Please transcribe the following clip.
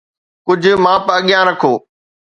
ڪجهه ماپ اڳيان رکو